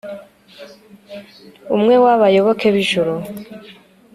umwe w'abayoboke b'ijuru